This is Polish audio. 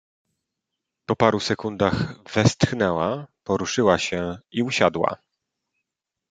"Po paru sekundach westchnęła, poruszyła się i usiadła."